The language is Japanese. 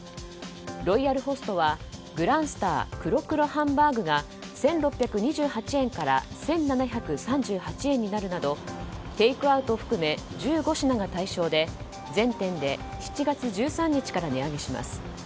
ロイヤルホストはグランスター黒×黒ハンバーグが１６２８円から１７３８円になるなどテイクアウト含め１５品が対象で全店で７月１３日から値上げします。